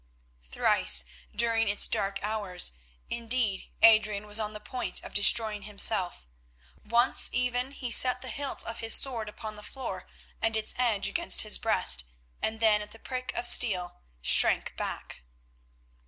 Thrice during its dark hours, indeed, Adrian was on the point of destroying himself; once even he set the hilt of his sword upon the floor and its edge against his breast, and then at the prick of steel shrank back.